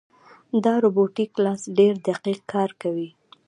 دا روبوټیک لاس ډېر دقیق کار کوي.